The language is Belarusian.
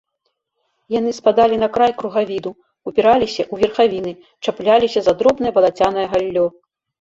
Яны спадалі на край кругавіду, упіраліся ў верхавіны, чапляліся за дробнае балацянае галлё.